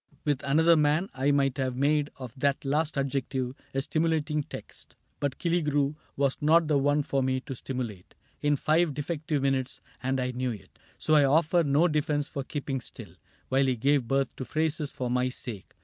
With another man I might have made of that last adjective A stimulating text ; but Killigrew Was not the one for me to stimulate In five defective minutes, and I knew it. So I offer no defense for keeping still While he gave birth to phrases for my sake.